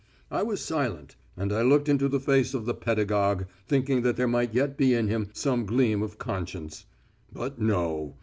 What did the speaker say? I was silent, and I looked into the face of the pedagogue, thinking that there might yet be in him some gleam of conscience. But no.